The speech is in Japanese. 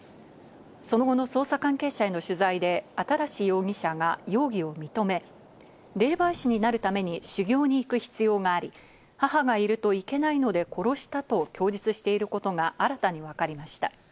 その後の捜査関係者への取材で、新容疑者が容疑を認め、霊媒師になるために修行に行く必要があり、母がいるといけないので、殺したと供述していることが新たにわかりました。